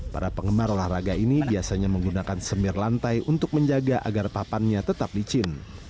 para penggemar olahraga ini biasanya menggunakan semir lantai untuk menjaga agar papannya tetap licin